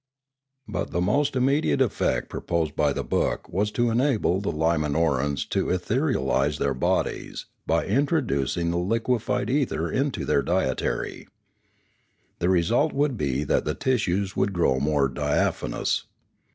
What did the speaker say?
But the most immediate effect proposed by the book was to enable the Limanorans to etherealise their bodies by introducing the liquefied ether into their dietary. The result would be that the tissues would grow more diaphanous.